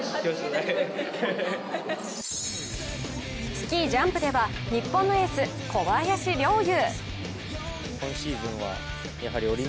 スキージャンプでは日本のエース・小林陵侑。